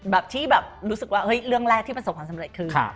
แบบที่แบบรู้สึกว่าเรื่องแรกที่ประสบความสำเร็จคือ